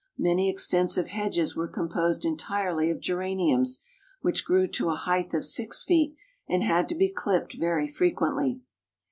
Many extensive hedges were composed entirely of gera niums, which grew to a height of six feet and had to be clipped very frequently.